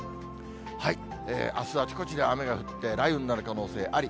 あす、あちこちで雨が降って、雷雨になる可能性あり。